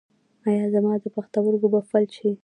ایا زما پښتورګي به فلج شي؟